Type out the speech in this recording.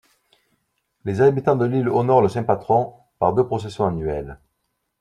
Les habitants de l'île honorent le saint-patron par deux processions annuelles.